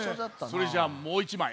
それじゃあもう１まい。